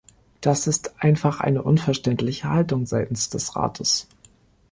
Das ist einfach eine unverständliche Haltung seitens des Rates!